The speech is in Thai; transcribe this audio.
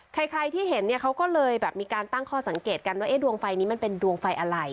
ใครที่เห็นเนี่ยเขาก็เลยแบบมีการตั้งข้อสังเกตกันว่าดวงไฟนี้มันเป็นดวงไฟอะไร